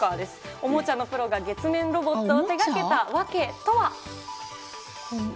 おもちゃのプロが月面ロボットを手がけた訳とは。